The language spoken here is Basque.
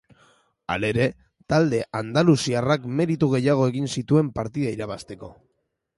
Halere, talde andaluziarrak meritu gehiago egin zituen partida irabazteko.